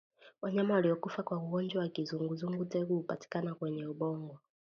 Wanyama waliokufa kwa ugonjwa wa kizunguzungu tegu hupatikana kwenye ubongo